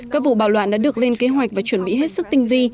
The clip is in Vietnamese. các vụ bạo loạn đã được lên kế hoạch và chuẩn bị hết sức tinh vi